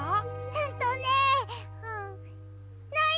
んとねない！